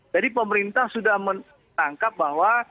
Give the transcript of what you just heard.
jadi pemerintah sudah menangkap bahwa